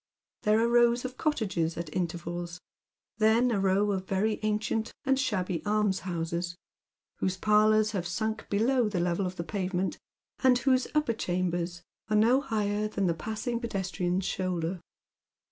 There are rows of cottages at intervals ; then a row of very nncient and filialjby almshouses, whose pailours liave sunk below (lie level of the pavement, and whoso upper chambers are no higher tbaa A Dajifferous Triumph. 129 the passing pedestrian's shoulder.